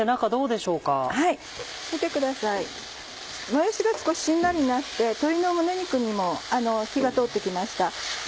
もやしが少ししんなりなって鶏の胸肉にも火が通って来ました。